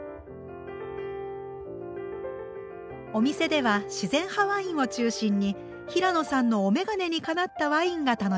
お店では自然派ワインを中心に平野さんのお眼鏡にかなったワインが楽しめます。